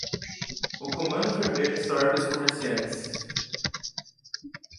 O comando vermelho extorque os comerciantes.